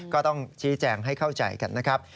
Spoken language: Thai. ก็ต้องชี้แจงให้เข้าใจกันนะครับ